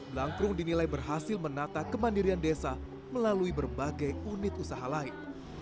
blangkrum dinilai berhasil menata kemandirian desa melalui berbagai unit usaha lain